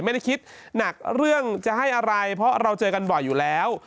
ไม่ได้คิดหนักเรื่องจะให้อะไรเพราะเราเจอกันบ่อยอยู่แล้ว